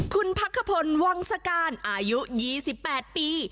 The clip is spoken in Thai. คุณพักขพลวังสการอายุ๒๘ปี